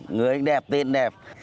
người đẹp tên đẹp